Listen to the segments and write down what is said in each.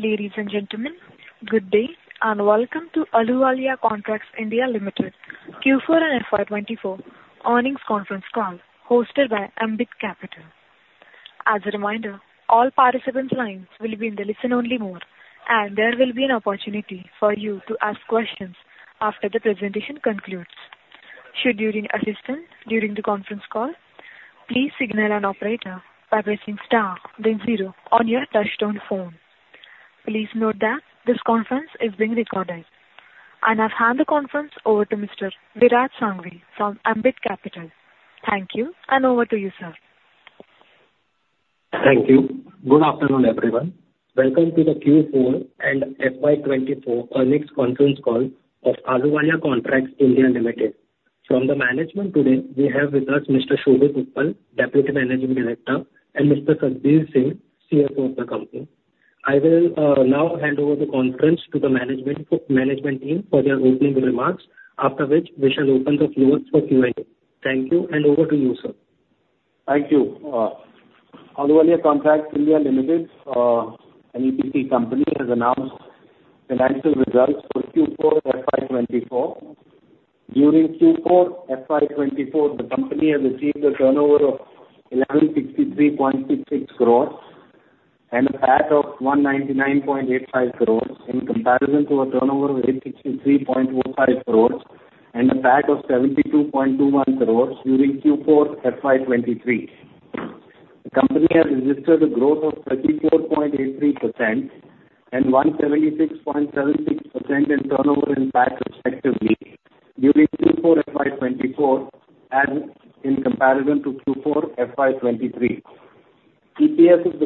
Ladies and gentlemen, good day and welcome to Ahluwalia Contracts (India) Limited Q4 and FY 2024 earnings conference call hosted by Ambit Capital. As a reminder, all participants' lines will be in the listen-only mode and there will be an opportunity for you to ask questions after the presentation concludes. Should you need assistance during the conference call, please signal an operator by pressing star, then zero on your touch-tone phone. Please note that this conference is being recorded and I've handed the conference over to Mr. Viraj Sanghvi from Ambit Capital. Thank you. And over to you, sir. Thank you. Good afternoon everyone. Welcome to the Q4 and FY 2024 earnings conference call of Ahluwalia Contracts (India) Limited. From the management today, we have with us Mr. Shobhit Uppal, Deputy Managing Director and Mr. Satbeer Singh, CFO of the company. I will now hand over the conference to the management team for their opening remarks after which we shall open the floor for Q&A. Thank you. Over to you, sir. Thank you. Ahluwalia Contracts (India) Limited, an EPC company, has announced financial results for Q4 FY 2024. During Q4 FY 2024,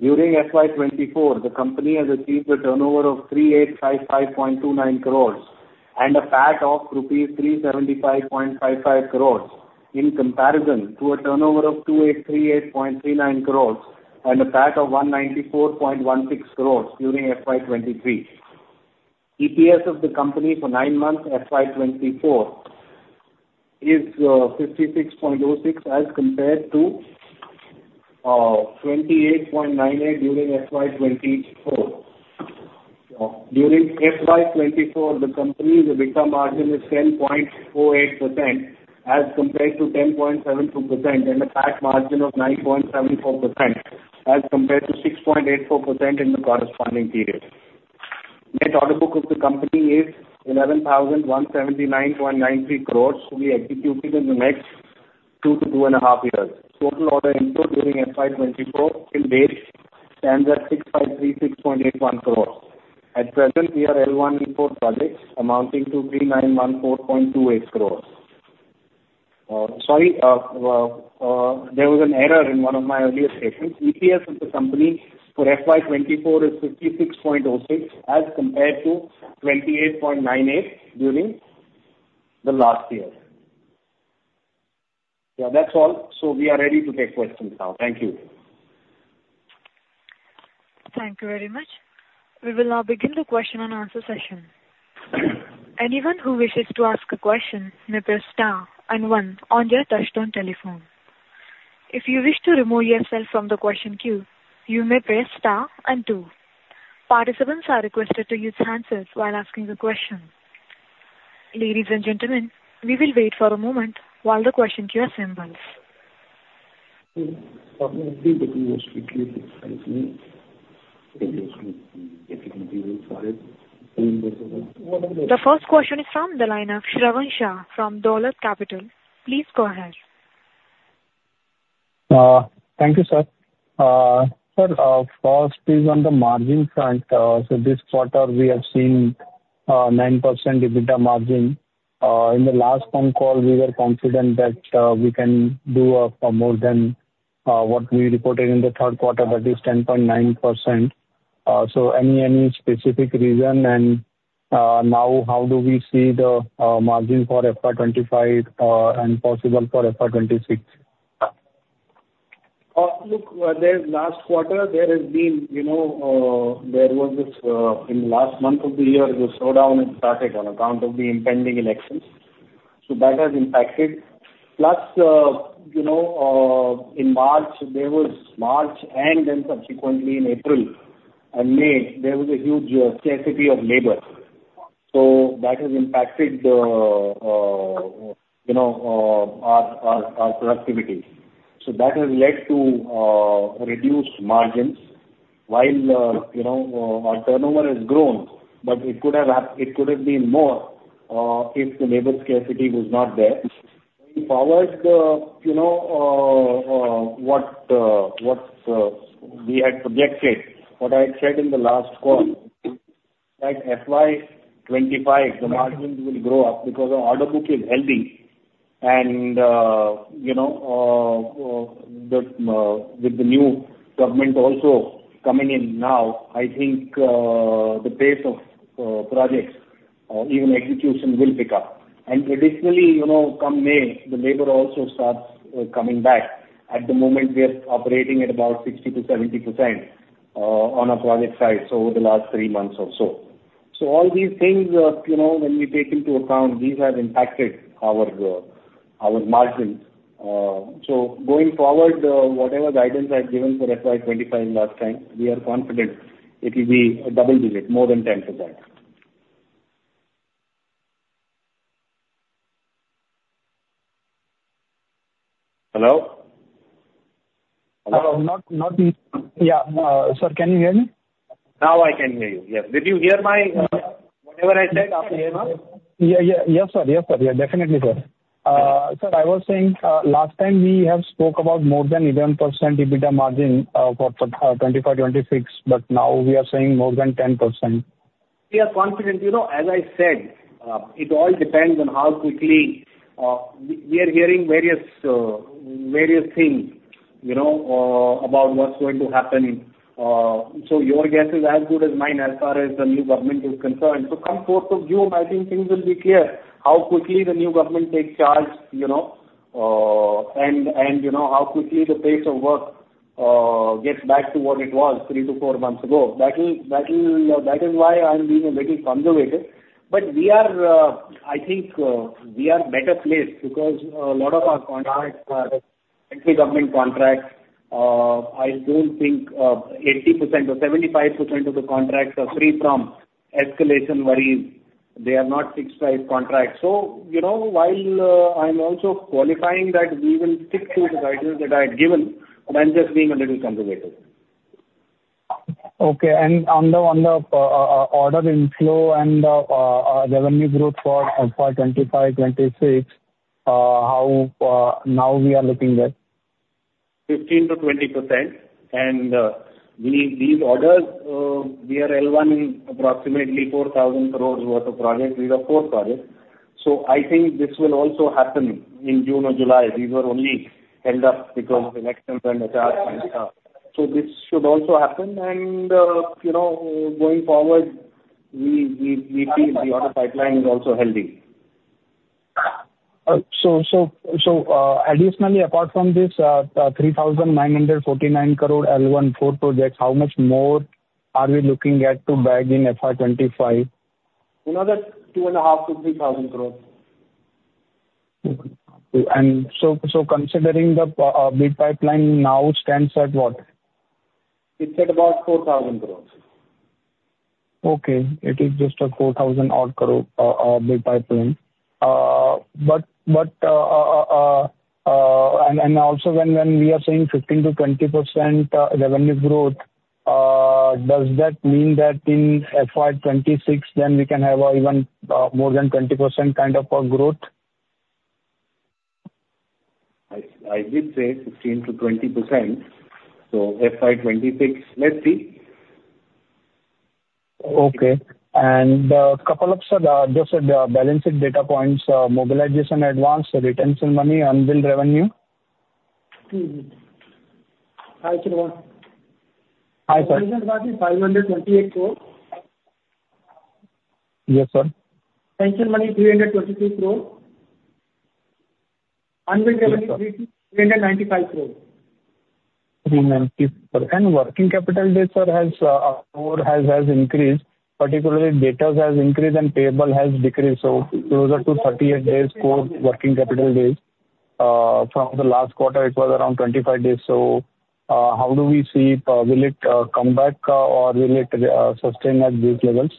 the company has achieved a turnover of 1,163.66 crores and a PAT of rupees 199.85 crores in comparison to a turnover of 863.05 crores and a PAT of INR 72.21 crores during Q4 FY 2023. The company has registered a growth of 34.83% and 176.5% in turnover and PAT respectively. Q4 FY 2024, as in comparison to Q4 FY 2023, EPS of the company Q4 FY 2024 is INR 29.83 as compared to INR 10.78 in Q4 FY 2023. during Q4 FY 2024, the company's EBITDA margin is 8.96% as compared to 12.77% and a PAT margin of 17.17% as compared to 8.37% in the corresponding period. During FY 2024, the company has achieved a turnover of INR 3,855.29 crores and a PAT of INR 375.55 crores in comparison to a turnover of INR 2,838.39 crores and a PAT of 194.16 crores. EPS of the company for nine months FY 2024 is 56.06 as compared to 28.98 during FY23. During FY 2024, the company's EBITDA margin is 10.48% as compared to 10.72% and a cash margin of 9.74% as compared to 6.84% in the corresponding period. The net order book of the company is 11,179.93 crores, to be executed in the next two to two and a half years. Total order input during FY 2024 to date stands at 6536.81 crores. At present we are L1 in four projects amounting to 3914.28 crore. Sorry, there was an error in one of my earlier statements. EPS of the company for FY 2024 is 56.06 as compared to 28.98 during the last year. That's all. So we are ready to take questions now. Thank you. Thank you very much. We will now begin the question and answer session. Anyone who wishes to ask a question may press star and one on your touch-tone telephone. If you wish to remove yourself from the question queue, you may press star and two. Participants are requested to use handsets while asking the question. Ladies and gentlemen, we will wait for a moment while the question queue assembles. The first question is from the line of Shravan Shah from Dolat Capital. Please go ahead. Thank you, sir. First is on the margin front. So this quarter we have seen 9% EBITDA margin. In the last phone call we were confident that we can do more than what we reported in the third quarter. That is 10.9%. So any specific reason? And now how do we see the margin for FY 2025 and possible for FY 2026? Look last quarter there has been, you know, there was this in the last month of the year the slowdown has started on account of the impending elections. So that has impacted. Plus, you know, in March there was a huge scarcity of labor. So that has impacted our productivity. So that has led to reduced margins while, you know, our turnover has grown. But it could have, it could have been more if the labor scarcity was not there in power. You know, what we had projected, what I had said in the last call, the margins will grow up because the order book is healthy, and you know, with the new government also coming in now, I think the pace of projects, even execution will pick up, and traditionally, you know, come May, the labor also starts coming back. At the moment we are operating at about 60%-70% on our project sites over the last three months or so. So all these things, when we take into account, these have impacted our margins. So going forward, whatever guidance I've given for FY 2025 last time, we are confident it will be double digit more than 10%. Hello? Not. Not. Yeah. Sir, can you hear me? Now I can hear you. Yes. Did you hear my whatever I said? Yeah, yeah. Yes sir. Yes sir. Yeah, definitely sir. Sir, I was saying last time we have spoke about more than 11% EBITDA margin for 2025, 2026. But now we are saying more than 10%, we are confident. You know, as I said, it all depends on how quickly we are hearing various things, you know, about what's going to happen. So your guess is as good as mine as far as the new government is concerned. So from the 4th of June, I think things will be clear how quickly the new government takes charge, you know, and you know how quickly the pace of work gets back to what it was three to four months ago. That is why I'm being a little conservative. But we are, I think we are better placed because a lot of our contracts are government contracts. I don't think 80% or 75% of the contracts are free from escalation worries. They are not fixed type contracts. So you know, while I'm also qualifying that we will stick to the guidance that I had given and I'm just being a little conservative. Okay. And on the order inflow and revenue growth for 2025, 2026, now we are looking at 15%-20% and these orders we are L1 in approximately 4,000 crores worth of projects. These are four projects. So I think this will also happen in June or July. These were only held up because of the next month. So this should also happen. And, you know, going forward we feel the order pipeline is also healthy. So additionally, apart from this 3,949 crore L1 4 projects, how much more are we looking at to bag in FR25? You know that 2,500-3,000 crore. So considering the bid pipeline now stands at what it said about 4,000 crore. Okay, it is just a 4,000-odd crore pipeline. But, and also when we are saying 15%-20% revenue growth, does that mean that in FY 2026 then we can have even more than 20 kind of a growth? I did say 15%-20%. So FY 2026, let's see. Okay. A couple of just balance sheet data points: mobilization advance, retention money, unbilled revenue. 528 cr. Yes sir. Retention money 322 crore. 395 crores. And working capital debtors has increased. Particularly debtors has increased and payables has decreased. So closer to 38 days. Working capital days from the last quarter it was around 25 days. So how do we see will it come back or will it sustain at these levels?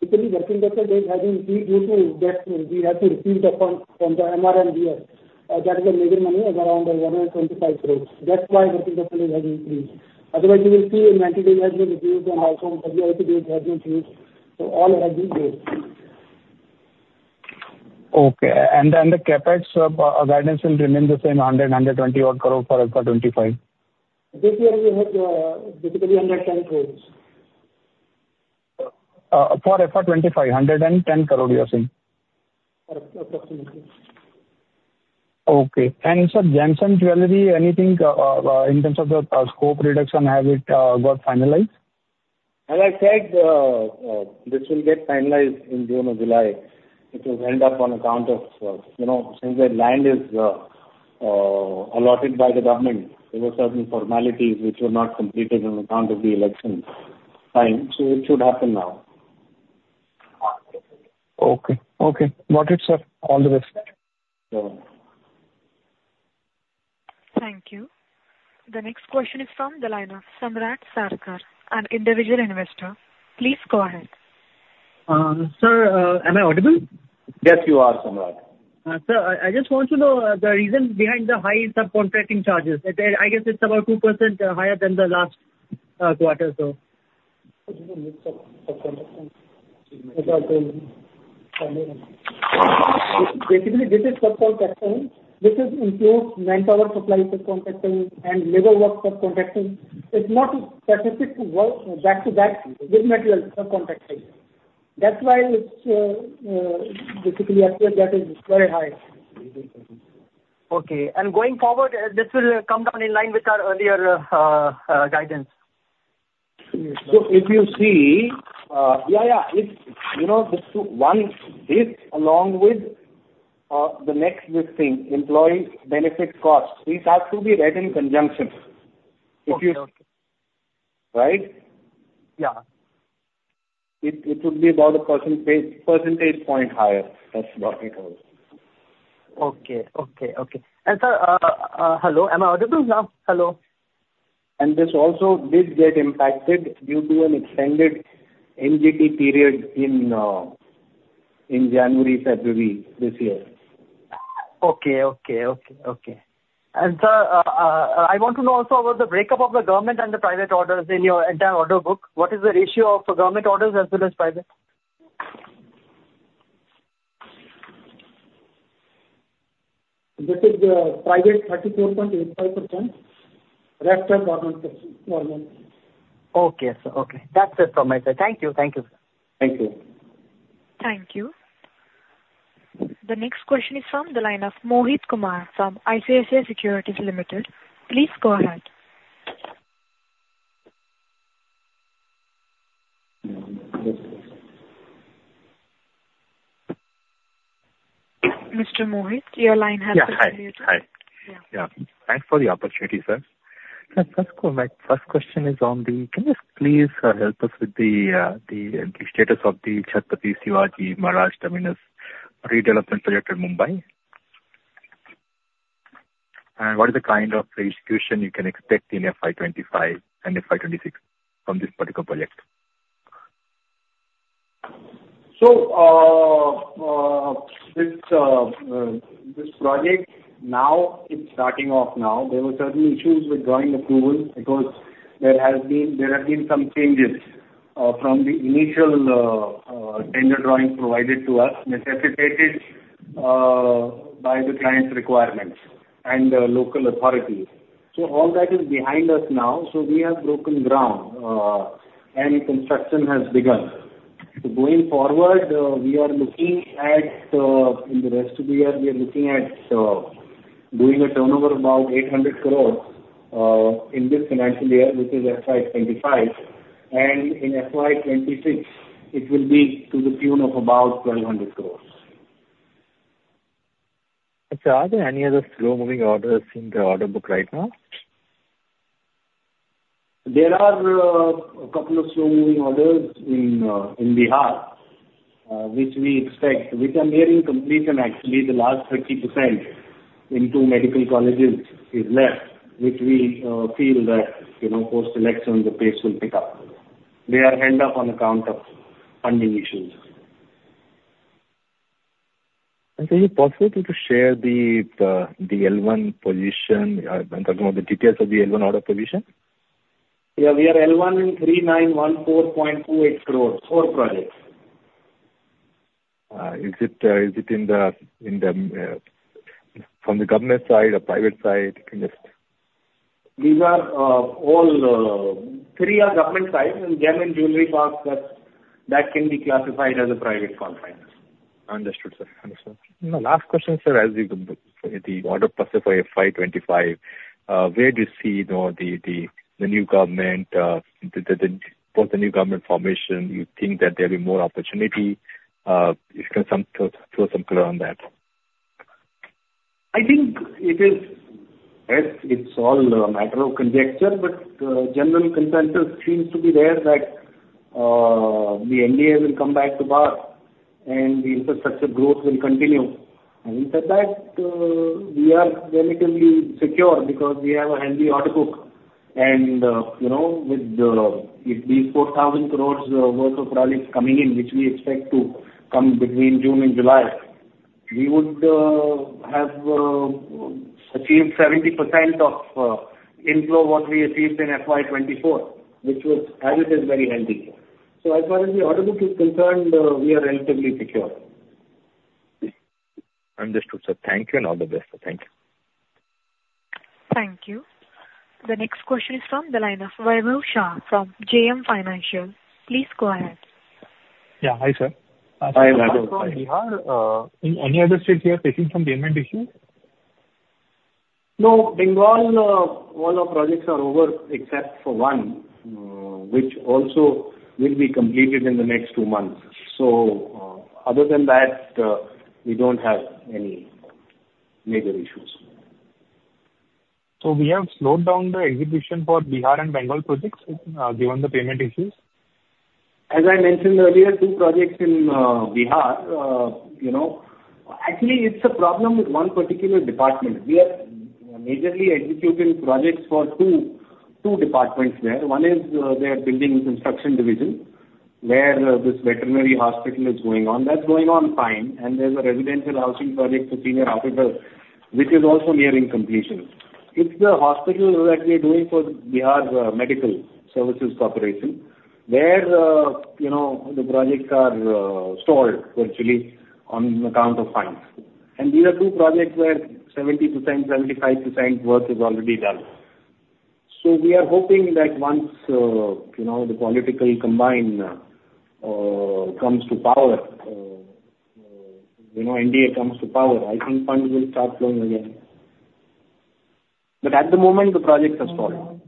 From the margin that is a major money of around 125 crores. That's why the funding has increased. Otherwise you will see inventory has been reduced. Okay. And then the CapEx guidance will remain the same INR 120-odd crore for FY 2025. This year we have basically under INR 10 crores. For FY 2024, 10k. Approximately. Okay. And sir, just in general, anything in terms of the scope reduction? Have it got finalized? As I said, this will get finalized in June or July. It was held up on account of. You know, since the land is allotted by the government there were certain formalities which were not completed on account of the election time. So it should happen now. Okay? Okay. Got it sir. All the way. Thank you. The next question is from the line of Samrat Sarkar, an individual investor. Please go ahead, sir. Am I audible? Yes, you are, Samrat. I just want to know the reason behind the high subcontracting charges. I guess it's about 2% higher than the last. Basically this is subcontracting. This includes manpower supply subcontracting and labor work subcontracting. It's not specific back to back subcontracting. That's why it's basically. That is very high. Okay. And going forward this will come down in line with our earlier guidance. So if you see. Yeah, yeah. You know one, this along with the next listing, employee benefit cost. These have to be read in conjunction, right? Yeah. It would be about a percentage point higher. That's what it was. Okay. Okay. Okay. And sir, hello. Am I audible now? Hello. And this also did get impacted due to an extended NGT period in January, February this year. Okay, okay, okay. Okay. And I want to know also about the breakup of the government and the private orders. In your entire order book. What is the ratio of government orders as well as private? This is the private 34.85%. Okay. So. Okay, that's it from my side. Thank you. Thank you. Thank you. Thank you. The next question is from the line of Mohit Kumar from ICICI Securities Limited. Please go ahead. Mr. Mohit, your line has. Yeah, thanks for the opportunity. Sir, my first question is: Can you please help us with the status of the Chhatrapati Shivaji Maharaj Terminus redevelopment project in Mumbai? And what is the kind of execution you can expect in FY 2025 and FY 2026 from this particular project? So this project now it's starting off now. There were certain issues with drawing approval because there have been some changes from the initial tender drawings provided to us necessitated by the client's requirements and local authorities. So all that is behind us now. So we have broken ground and construction has begun. Going forward, in the rest of the year we are looking at doing a turnover about 800 crores in this financial year which is FY 2025. And in FY 2026 it will be to the tune of about 1,200 crores. Are there any other slow moving orders in the order book right now? There are a couple of slow moving orders in Bihar which we expect are nearing completion. Actually the last 50% in two medical colleges is left which we feel that post-election the pace will pick up. They are held up on account of funding issues. Is it possible to share the L1 position? Talking about the details of the L1 order position. Yeah, we are L1 3,914.28 crores. Four projects. Is it from the government side or private side? These are all three government sides. And Gems and Jewellery Parks. That's that can be classified as a private component. Understood, sir. The last question, sir. As the order pipeline FY 2025, where do you see the new government, about the new government formation? You think that there'll be more opportunity? If you can throw some color on that. I think it is as it's all a matter of conjecture, but general consensus seems to be there that the NDA will come back to power, and the infrastructure growth will continue. Having said that, we are relatively secure because we have a healthy order book, and with these 4,000 crore worth of projects coming in, which we expect to come between June and July, we would have achieved 70% of inflow what we achieved in FY 2024, which was as it is very healthy, so as far as the order book is concerned, we are relatively secure. Understood, sir. Thank you and all the best. Thank you. Thank you. The next question is from the line of Varun Shah from JM Financial. Please go ahead. Yeah. Hi, sir. In any other states we are facing some payment issues. No. Bengal, all our projects are over except for one which also will be completed in the next two months. So other than that we don't have any major issues. So we have slowed down the execution for Bihar and Bengal projects given the payment issues. As I mentioned earlier, two projects in Bihar, you know actually it's a problem with one particular department. We are majorly executing projects for two departments there. One is the building construction division where this veterinary hospital is going on. That's going on fine. And there's a residential housing project for senior hospital which is also nearing completion. It's the hospital that we're doing for Bihar Medical Services Corporation. You know the projects are stalled virtually on account of funds. And these are two projects where 70%, 75% work is already done. So we are hoping that once you know the political combine comes to power. You know, NDA comes to power. I think funds will start flowing again. But at the moment the project has stalled.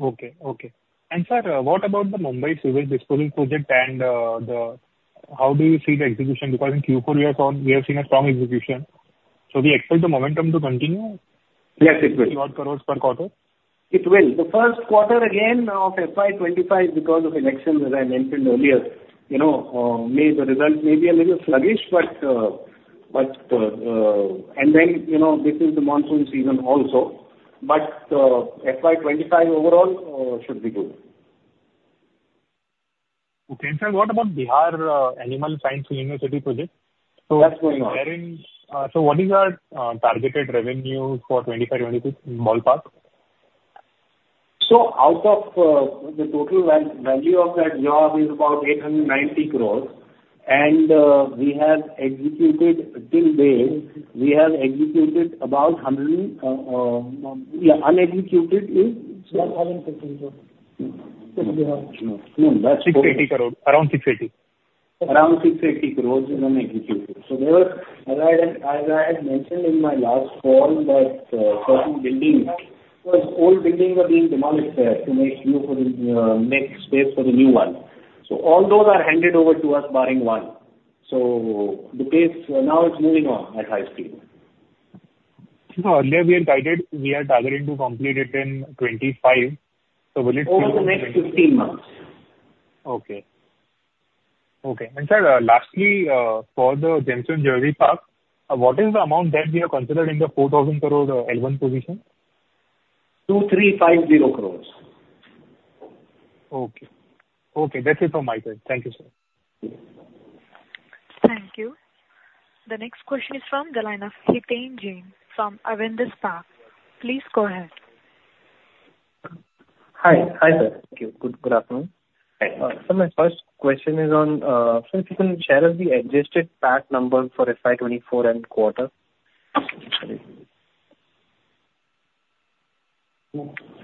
Okay. Okay. And sir, what about the Mumbai Civil Disposal Project and how do you see the execution? Because in Q4 FY 2024 we have seen a strong execution. So we expect the momentum to continue. Yes, it will. Crore per quarter. It will. The first quarter again of FY 2025 because of elections as I mentioned earlier, you know the result may be a little sluggish but. And then you know this is the monsoon season also. But FY 2025 overall should be good. Okay. What about Bihar Animal Sciences University project? So what is our targeted revenue for 2025, 2026 ballpark? So, out of the total value of that job is about INR 890 crores. And we have executed till date about 100. Unexecuted is around INR 680 crores. So, as I had mentioned in my last call that certain buildings, those old buildings are being demolished there to make way for the next big one for the new one. So, all those are handed over to us barring one. So, the case now is moving on at high speed. So, earlier we are guided. We are targeting to complete it in 2025. So, will it over the next 15 months. Okay. Okay. Lastly, for the Gems and Jewellery Park, what is the amount that we have considered in the 4,000 crore L1 position? 2,350 crores. Okay. Okay. That's it on my side. Thank you, sir. Thank you. The next question is from the line of Hitanshu Jain from Avendus Capital. Please go ahead. Hi. Hi sir. Thank you. Good afternoon. So my first question is on if you can share us the adjusted PAT number for FY 2024 and quarter.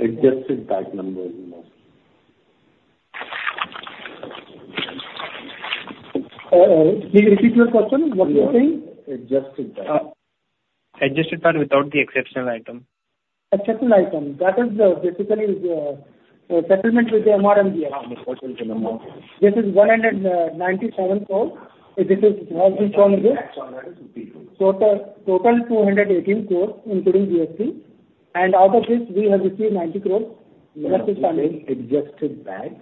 Adjusted PAT without the exceptional item. Exceptional item that is basically the settlement with the Mr. and the. This is INR 197 crore total. 218 crore including GST. And out of this we have received INR 90 crore. Adjusted PAT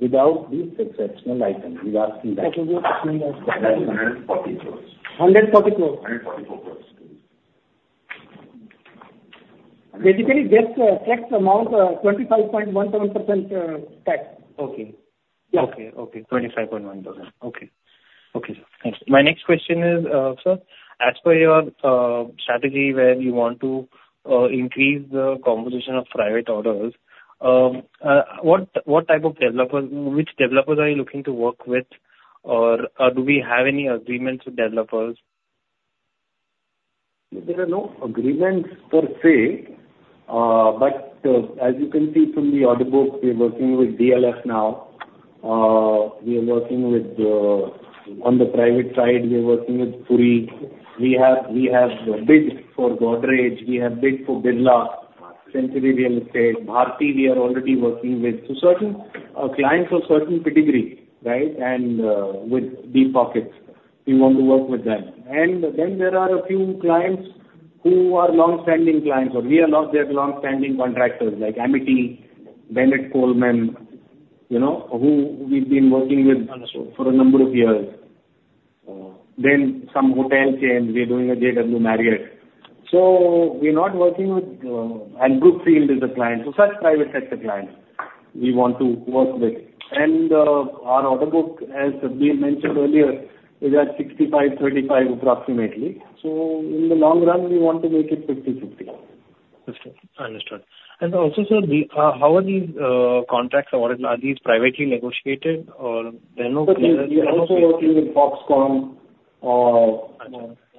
without these exceptional items basically just 25.17%. Okay. 25.1%. Okay. Thanks. My next question is sir, as per your strategy where you want to increase the composition of private orders, what type of developers. Which developers are you looking to work with or do we have any agreements with developers? There are no agreements per se. But as you can see from the order book, we're working with DLF now. We are working with. On the private side, we are working with Puri. We have bid for Godrej. We have bid for Birla Century Real Estate. Bharti. We are already working with certain clients of certain pedigree with deep pockets. We want to work with them. And then there are a few clients who are long standing clients or we are not yet long standing contractors. Like Amity, Bennett Coleman. You know who we've been working with for a number of years. Then some hotel chains. We're doing a JW Marriott. So we're not working with. And Brookfield is a client. So such private sector clients we want to work with. And our order book as mentioned earlier is at 6,535 approximately. So in the long run we want to make it 50/50. Understood. And also, sir, how are these contracts? Are these privately negotiated or working with Foxconn?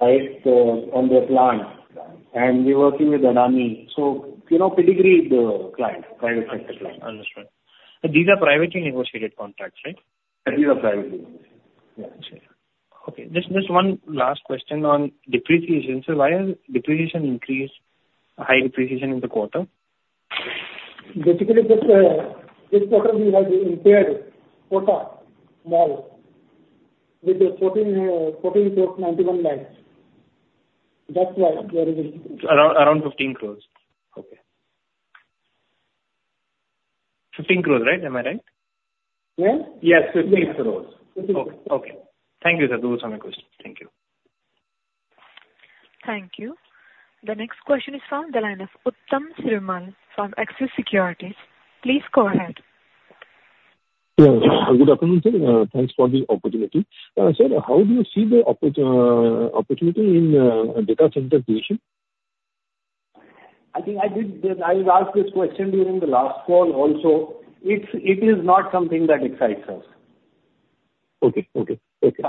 Right. On their plan. And we're working with an army. So you know, pedigree, the client, private sector. Understand. These are privately negotiated contracts. Right? These are privately. Okay. This one last question on depreciation. So why is depreciation increase? High depreciation in the quarter. Basically this quarter we had impaired with the 14.14 crores, 91 lakhs. That's why around 15 crores. Okay. 15 crores. Right? Am I right? Yes. Yes. 15 crores. Okay. Thank you, sir. Those are my questions. Thank you. Thank you. The next question is from the line of Uttam Srimal from Axis Securities. Please go ahead. Thanks for the opportunity, sir. How do you see the opportunity in data center segment? I think I did. I was asked this question during the last call also. It is not something that excites us. Okay. Okay. Okay.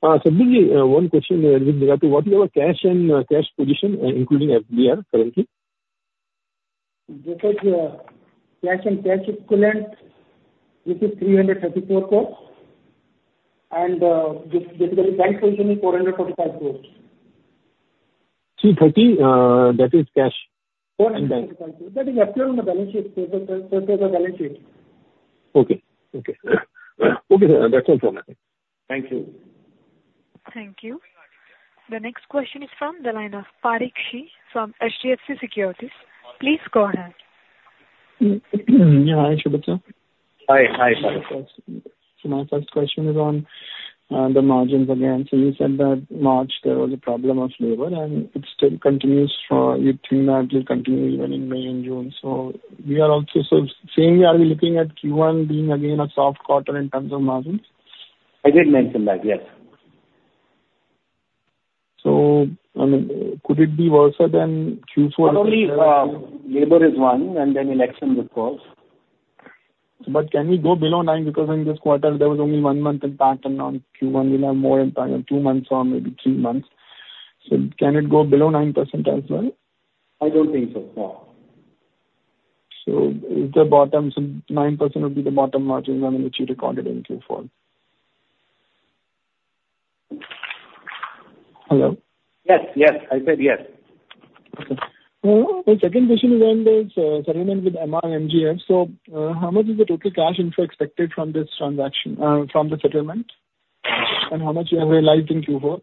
One question with regard to our cash and cash position including FDR currently. Cash and cash equivalent. This is 334 crores. And basically bank balance is 445 crores. 330. That is cash. [inaudible] Okay. Okay. Okay. That's all for now. Thank you. Thank you. The next question is from the line of Parikshit from HDFC Securities. Please go ahead. My first question is on the margins again. So you said that March there was a problem of labor and it still continues. You think that will continue even in May and June. So we are also samely. Are we looking at Q1 being again a soft quarter in terms of margins? I did mention that. Yes. So I mean could it be worse than Q4? Only labor is one and then elections. Of course. But can we go below 9%? Because in this quarter there was only one month impact. And on Q1 we have more impact on two months or maybe three months. So can it go below 9% as well? I don't think so. So the bottom 9% would be the bottom margin which you recorded in Q4. Hello. Yes. Yes, I said yes. Second question is on this settlement with Emaar MGF. So how much is the total cash inflow expected from this transaction from the settlement and how much you have realized in Q4?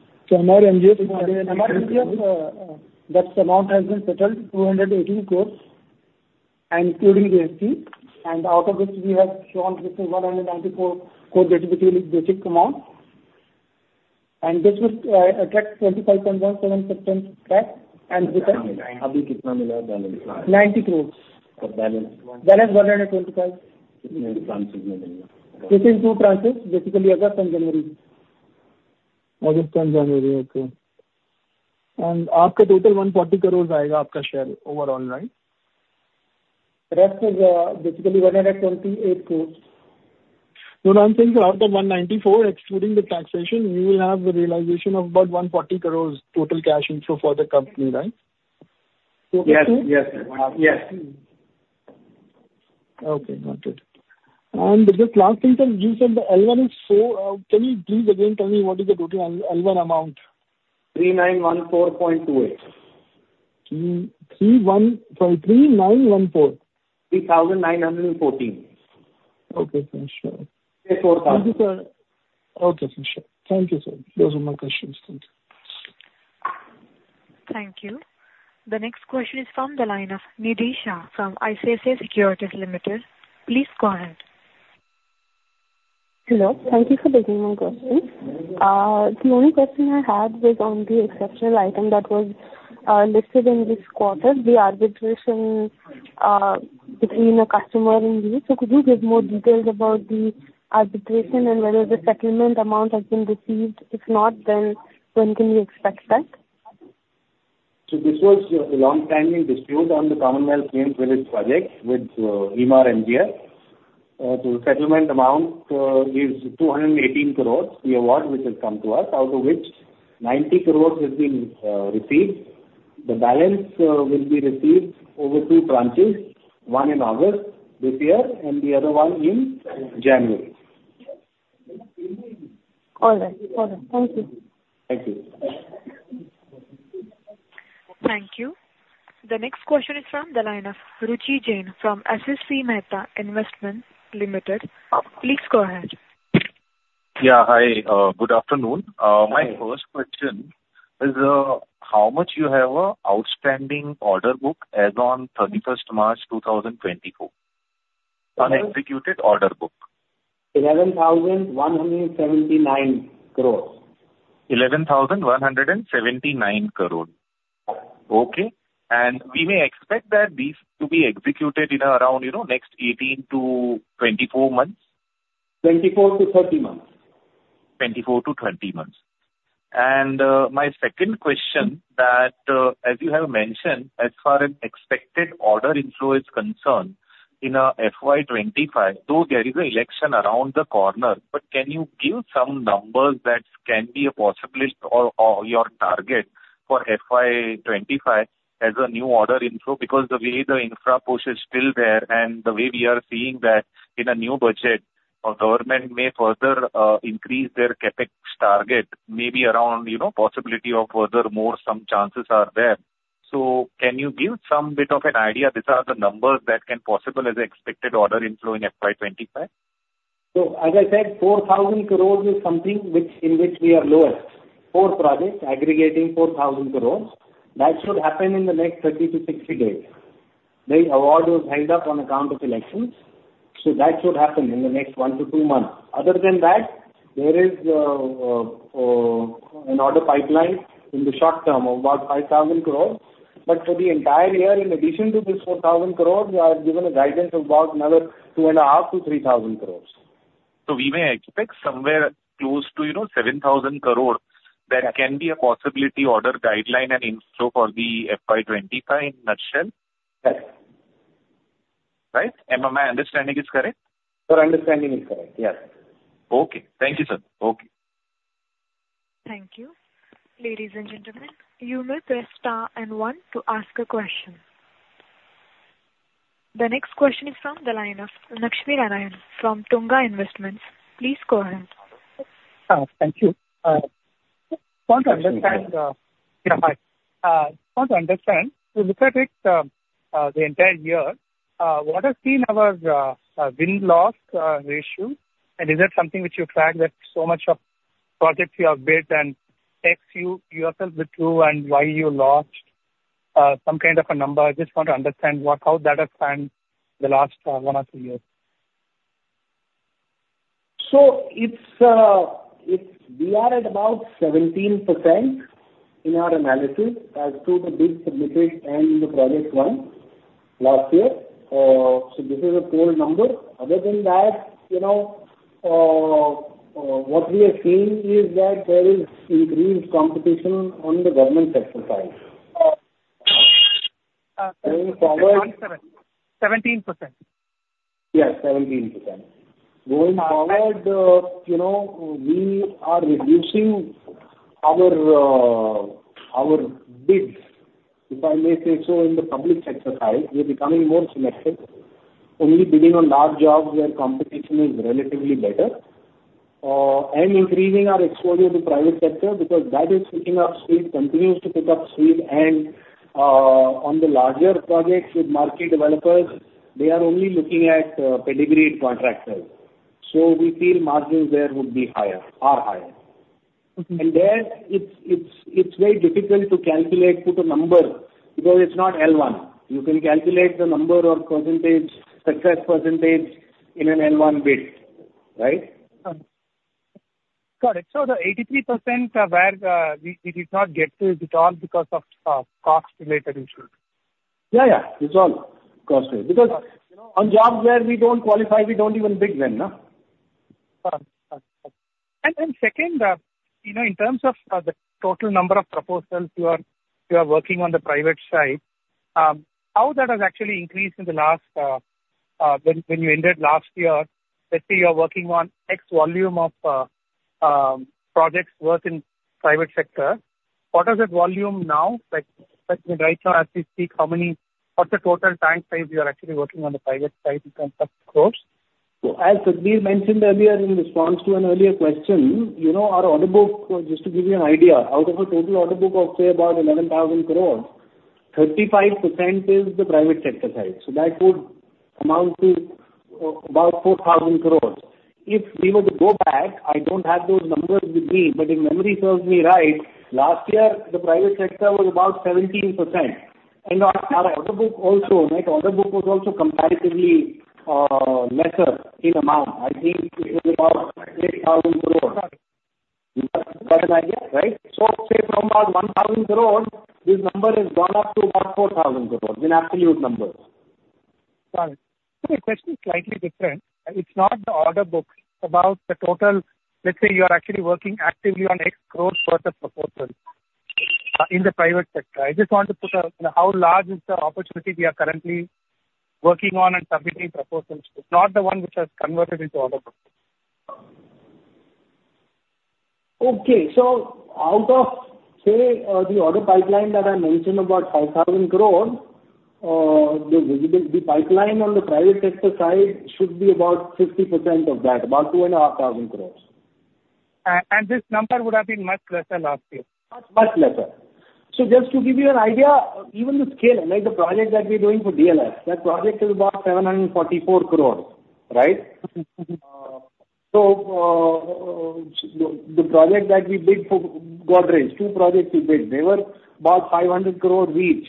That amount has been settled. 218 crores including the FT and out of which we have shown this is 194 crore. Basically basic component. And this will attract 25.17% taxes within two tranches. Basically August and January. August and January. Okay. And total 140 crores overall. Right. The rest is basically 128 crores. No, I'm saying out of 194 excluding the taxation you will have the realization of about 140 crores total cash inflow for the company. Right? Yes. Yes. Yes. Okay. Got it. And this last thing that you said, the L1 is 4. Can you please again tell me what is the total L1 amount? 3914.28. 31. Sorry. 3914. 3914. Okay. Thank you, sir. Those are my questions. Thank you. The next question is from the line of Nidhi Shah from ICICI Securities Ltd. Please go ahead. Hello. Thank you for taking my question. The only question I had was on the exceptional item that was listed in this quarter. The arbitration between a customer and you. So could you give more details about the arbitration and whether the settlement amount has been received? If not then when can we expect that? So this was a long-standing dispute on the Commonwealth Games with its project with Emaar MGF. The settlement amount is 218 crores. The award which has come to us of which 90 crores has been received. The balance will be received over two tranches. One in August this year and the other one in January. All right, thank you. Thank you. Thank you. The next question is from the line of Ruchi Jain from Asit C. Mehta Investment Limited. Please go ahead. Yeah. Hi, good afternoon. My first question is how much you have a outstanding order book as on 31st March 2024 unexecuted order book. 11,179 crores. 11,179 crore. Okay. And we may expect that these be executed in around you know, next 18-24 months. 24-30 months. 24-20 months. And my second question that as you have mentioned as far as expected order inflow is concerned in a FY 2025 though there is an election around the corner. But can you give some numbers that can be a possibility or your target for FY 2025 as a new order inflow? Because the way the infra push is still there and the way we are seeing that in a new budget government may further increase their CapEx target maybe around, you know, possibility of further more some chances are there. So can you give some bit of an idea? These are the numbers that can possibly be as expected order inflow in FY 2025. So as I said, 4,000 crores is something which in which we are lowest four projects aggregating 4,000 crores. That should happen in the next 30-60 days. The award was held up on account of elections. So that should happen in the next one to two months. Other than that there is an order pipeline in the short term of about 5,000 crores. But for the entire year, in addition to this 4,000 crores I have given a guidance of about another 2.5-3,000 crores. So we may expect somewhere close to you know, 7,000 crore. That can be a possibility order guidance and inflow for the FY 2025 in a nutshell. Yes. Right? My understanding is correct. Your understanding is correct. Yes. Okay. Thank you, sir. Okay. Thank you. Ladies and gentlemen. You may press star and one to ask a question. The next question is from the line of Lakshmi Ramanan from Tunga Investments. Please go ahead. Thank you. I want to understand. Do you look at it the entire year? What has been our win-loss ratio and is that something which you track that so many projects you have bid and think to yourself with who and why you lost some kind of a number? I just want to understand what, how that has spanned the last one or two years. So, it's. We are at about 17% in our analysis as to the bids submitted and the projects won last year. So this is a low number. Other than that, you know what we have seen is that there is increased competition on the government sector side. 17%. Yes, 17%. Going forward, you know we are reducing our bids if I may say so. In the public sector side we're becoming more selective. Only bidding on large jobs where competition is relatively better and increasing our exposure to private sector because that is picking up speed, continues to pick up speed, and on the larger projects with marquee developers, they are only looking at pedigreed contractors, so we feel margins there would be higher, far higher, and there it's very difficult to calculate, put a number because it's not L1. You can calculate the number or cumulative success percentage in an L1 bid. Right, got it. So the 83% where we did not get to, is it all because of cost-related issues? Yeah, yeah, it's all cost. Because on jobs where we don't qualify, we don't even bid. Second, you know in terms of the total number of proposals you are working on the private side, how that has actually increased in the last, when you ended last year, let's say you're working on X volume of projects worth in private sector. What is that volume now like right now as we speak, how many? What's the total book size? You are actually working on the private side in terms of crores as Satbeer mentioned earlier. In response to an earlier question, you know our order book, just to give you an idea, out of a total order book of say about 11,000 crores, 35% is the private sector size. So that would amount to about 4,000 crores. If we were to go back. I don't have those numbers with me, but if memory serves me right, last year the private sector was about 17%, and our order book, also net order book, was also comparatively lesser in amount. I think it was about 8,000 crores. Right. So say from about 1,000 crore this number has gone up to about 4,000 crores in absolute numbers. The question is slightly different. It's not the order book about the total. Let's say you're actually working actively on X crores for the proposal in the private sector. I just want to put up how large is the opportunity we are currently working on and submitting proposals. It's not the one which has converted into order book. Okay, so out of say the order pipeline that I mentioned, about 5,000 crores, the pipeline on the private sector side should be about 50% of that, about 2,500 crores. And this number would have been much lesser last year. Much, much lesser. So just to give you an idea, even the scale, the project that we're doing for DLF, that project is about 744 crores. Right? So the project that we bid for Godrej, two projects. We bid, they were about 500 crores each.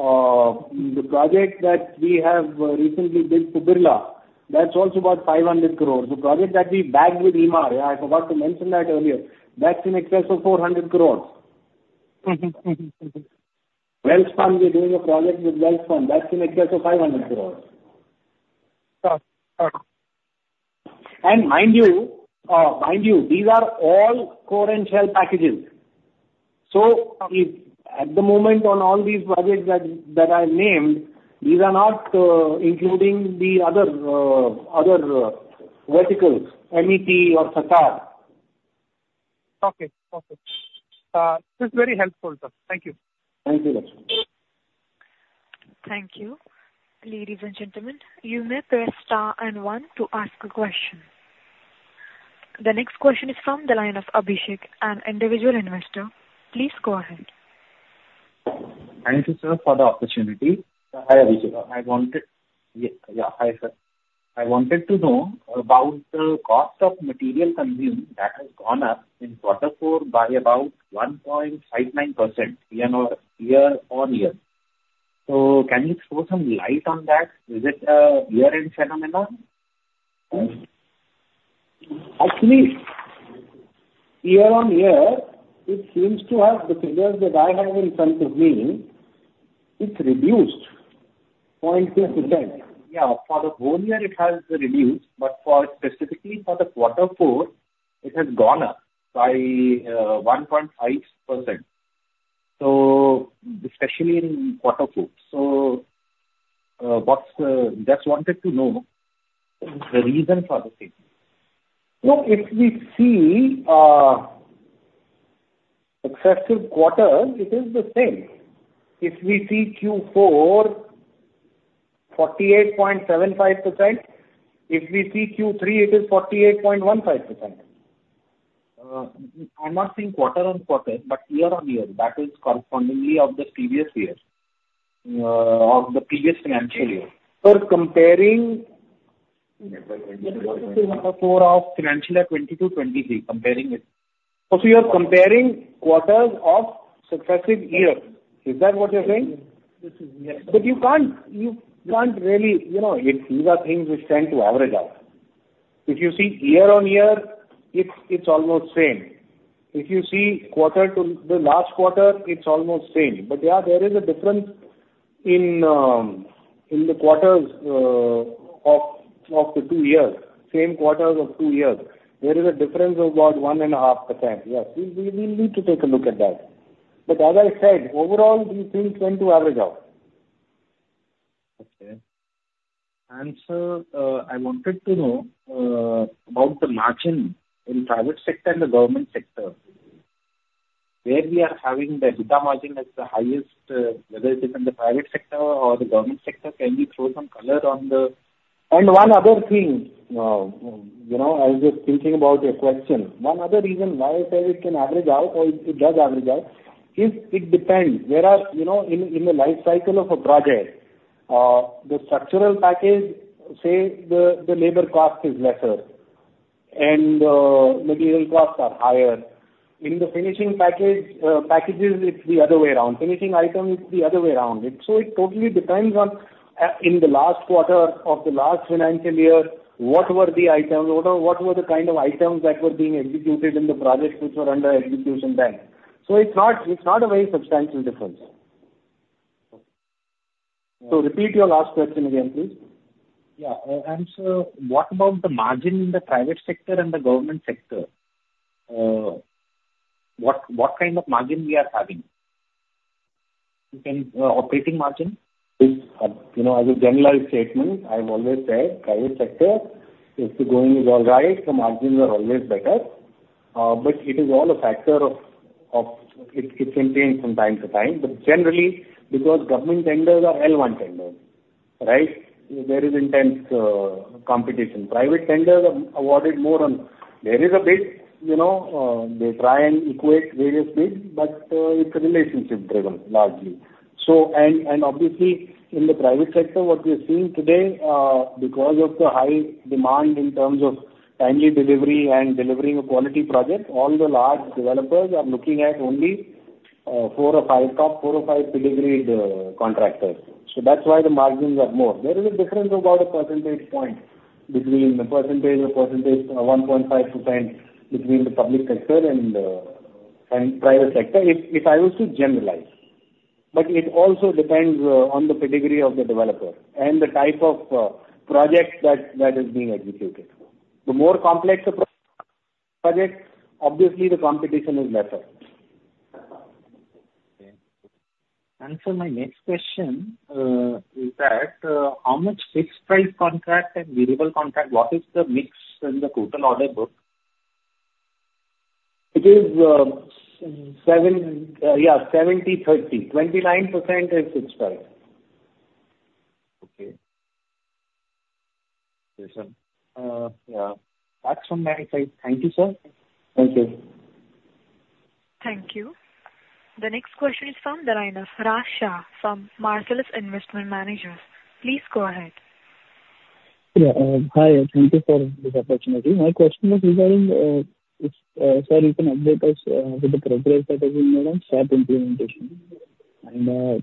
The project that we have recently built for Birla, that's also about 500 crores. The project that we bagged with Emaar, I forgot to mention that earlier, that's in excess of 400 crores. Welspun, we're doing a project with Welspun that's in excess of INR 500 crores. And mind you, these are all core and shell packages. So at the moment on all these projects that I named, these are not including the other verticals, MEP or Satar. Okay it's helpful. That's very helpful, sir. Thank you. Thank you. Thank you ladies and gentlemen. You may press star and one to ask a question. The next question is from the line of Abhishek, an individual investor. Please go ahead. Thank you sir, for the opportunity I wanted. Yeah, hi sir. I wanted to know about the cost of material consumed that has gone in quarter four by about 1.59% year-on-year. So can you throw some light on that? Is it a year end phenomenon? Actually year-on-year it seems to us the figures that I have in front of me it's reduced 0.2%. Yeah, for the whole year it has reduced. But for specifically for the quarter four it has gone up by 1.5%. So especially in quarter four. So I just wanted to know the reason for the same. Look, if we see this quarter it is the same. If we see Q4 48.75%. If we see Q3 it is 48.15%. I'm not saying quarter-on-quarter but year-on-year that is correspondingly of the previous year. Of the previous financial year. For comparing financial year 2022, 2023, comparing it. So you are comparing quarters of successive year, is that what you're saying? Yes. But you can't, you can't really. You know these are things which tend to average out. If you see year on year, it's almost same. If you see quarter to the last quarter it's almost same. But yeah, there is a difference in the quarters of the two years, same quarters of two years there is a difference of about 1.5%. Yes, we need to take a look at that. But as I said overall these things tend to average out, okay. So I wanted to know about the margin in private sector and the government sector where we are having the EBITDA margin as the highest in the private sector or the government sector. One other thing, you know. I was just thinking about a question. One other reason why I said it can average out or it does average out is it depends. There are, you know, in the life cycle of a project, the structural package. Say the labor cost is lesser and material costs are higher in the finishing packages. It's the other way around. Finishing items the other way around. It totally depends on, in the last quarter of the last three financial year, what were the items, what were the kind of items that were being executed in the project which were under execution bank. It's not a very substantial difference. Repeat your last question again, please. Yeah. What about the margin in the private sector and the government sector? What kind of margin we are having? Operating margin. You know, as a generalized statement, I've always said private sector. If the going is all right, the margins are always better. But it is all a factor of it contained from time to time. But generally because government tenders are L1 tenders, right. There is intense competition. Private tenders are awarded more on. There is a bit, you know, they try and equate various bids, but it's relationship driven, largely. So and obviously in the private sector, what we're seeing today, because of the high demand in terms of timely delivery and delivering a quality project, all the large developers are looking at only four or five top four or five pedigreed contractors. So that's why the margins are more. There is a difference about a percentage point between the percentage and percentage, 1.5% between the public sector and private sector, if I was to generalize, but it also depends on the pedigree of the developer and the type of project that is being executed. The more complex project, obviously the competition is better. Answer my next question. What is the mix of fixed price contract and variable contract in the total order book? It is 70-30. Yeah. 29% is fixed. 30. Okay. Thank you, sir. Thank you. Thank you. The next question is from Rakshit Ranjan from Marcellus Investment Managers. Please go ahead. Hi. Thank you for this opportunity. My question was regarding if, sir, you can update us with the progress that has been made on SAP implementation. Can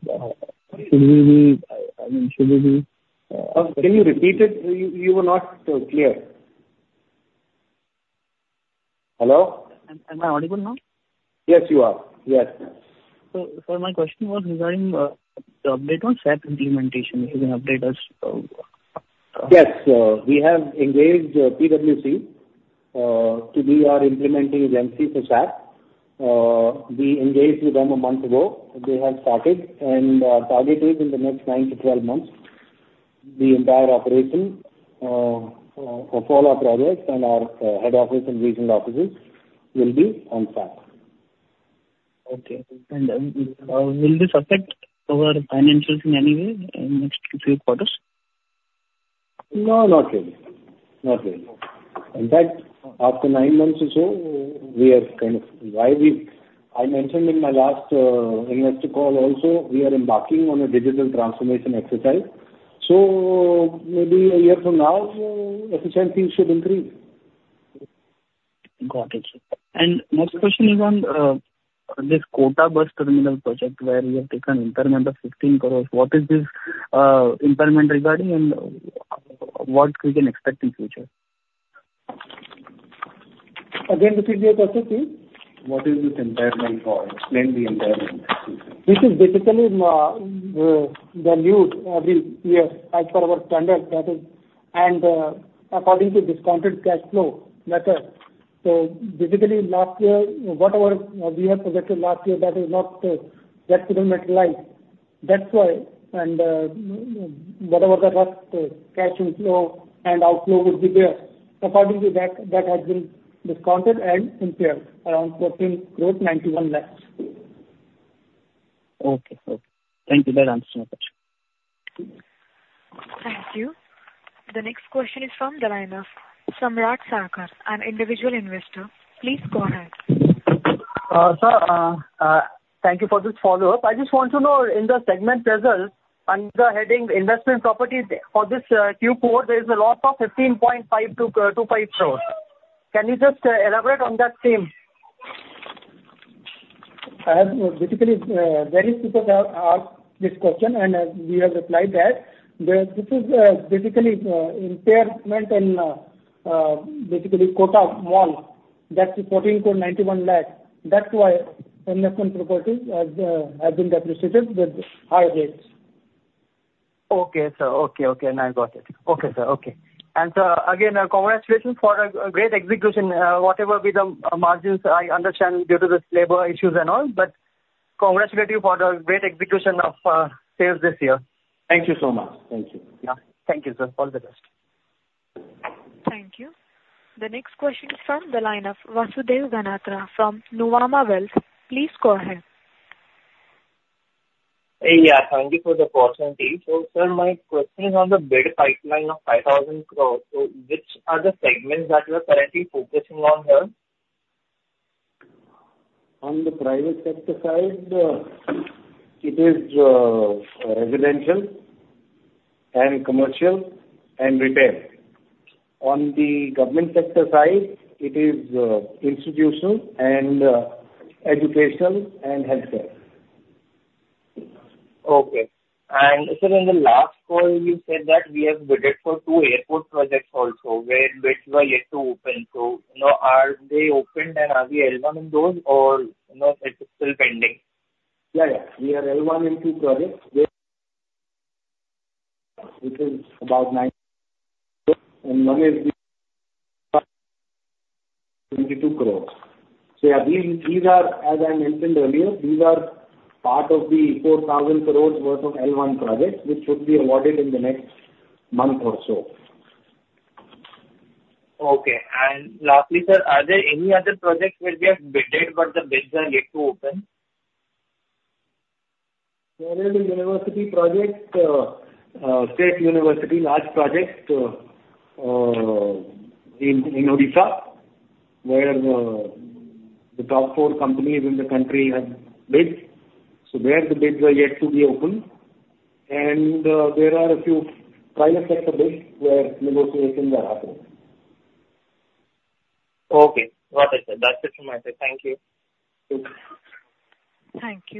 you repeat it? You were not clear. Hello. Am I audible now? Yes, you are. Yes. So my question was regarding the update on SAP implementation. You can update us. Yes. We have engaged PWC to be our implementing agency for SAP. We engaged with them a month ago. They have started and target is in the next nine to 12 months the entire operation of all our projects and our head office in regional offices will be on track. Okay. And will this affect our financials in any way in next few quarters? No, not really. Not really. In fact after nine months or so we are kind of why we. I mentioned in my last investor call also we are embarking on a digital transformation exercise. So maybe a year from now should increase. Got it. And next question is on this Kota bus terminal project where you have taken impairment of 15 crores. What is this impairment regarding and what we can expect in future? Again this is your process is what is this impairment for? Explain the impairment. This is basically we value every year as per our standard. That is and according to discounted cash flow method. So basically last year, whatever we had projected last year, that is not that likely, that's why. And whatever the cash inflow and outflow would be there according to that that has been discounted and impaired around 4.91 crore left. Okay. Thank you. Thank you. The next question is from the line of Samrat Sakar, an individual investor. Please go ahead. Sir, thank you for this follow-up. I just want to know in the segment results under heading investment property for this Q4 there's a lot of 15.5-25 crores. Can you just elaborate on that theme? Various people asked this question and we have replied that this is basically impairment and basically Kota Mall, that's INR 14.91 lakh. That's why investment properties have been depreciated with high rates. Okay, sir. Okay. Okay, and I got it. Okay, sir. Okay, and again, congratulations for a great execution. Whatever be the margins, I understand due to the labor issues and all, but congratulate you for the great execution of sales this year. Thank you so much. Thank you. Thank you, sir. All the best. Thank you. The next question from the line of Vasudev Ganatra from Nuvama Wealth. Please go ahead. Yeah. Thank you for the opportunity. So sir, my question is on the bid pipeline of 5,000 crore which are the segments that you are currently focusing on here? On the private sector side it is residential and commercial and retail. On the government sector side it is institutional and educational and healthcare. Okay. And sir, in the last call you said that we have bidded for two airport projects also where bids were yet to open. So are they opened and are we L1 in those or is it still pending? Yeah. Yeah. We are L1 in two projects which is about nine and one is 72 crores. So yeah, these. These are as I mentioned earlier, these are part of the 4,000 crores worth of L1 project which should be awarded in the next month or so. Okay. And lastly, sir, are there any other projects where we have bid but the bids are yet to open? University project, State University, large project in Odisha where the top four companies in the country have bid. So there the bids are yet to be opened and there are a few trial effects of bids where negotiations are happening. Okay, got it. That's it from me, sir. Thank you. Thank you.